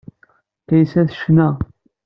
Kaysa tecna.